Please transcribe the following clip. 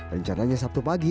rencananya sabtu pagi